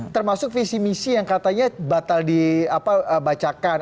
termasuk visi misi yang katanya batal dibacakan